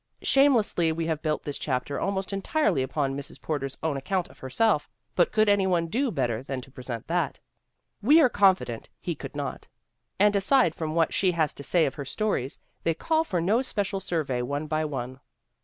Shamelessly we have built this chapter almost en tifely upon Mrs. Porter's own account of herself but could any one do better than to present that? We are confident he could not. And aside from what she has to say of her v stories they call for no special survey one by one.